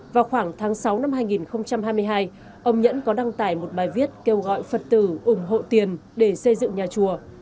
vào khoảng tháng sáu năm hai nghìn hai mươi hai ông nhẫn có đăng tải một bài viết kêu gọi phật tử ủng hộ tiền để xây dựng nhà chùa